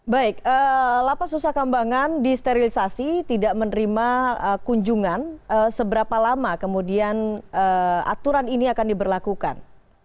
baik lapas nusa kambangan disterilisasi tidak menerima kunjungan seberapa lama kemudian aturan ini akan diberlakukan